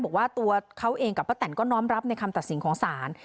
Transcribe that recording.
บอกว่าตัวเขาเองกับป้าแตนก็น้อมรับในคำตัดสินของศาล